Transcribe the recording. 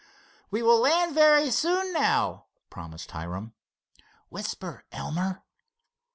"We will land very soon now," promised Hiram. "Whisper, Elmer."